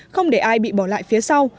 không để ai bị bỏ lại phía sau